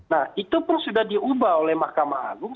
nah itu pun sudah diubah oleh mahkamah agung